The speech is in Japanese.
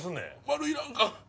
丸いらんか？